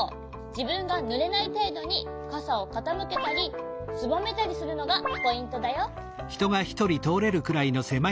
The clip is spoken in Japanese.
じぶんがぬれないていどにかさをかたむけたりすぼめたりするのがポイントだよ。